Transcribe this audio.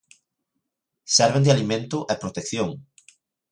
Serven de alimento e protección.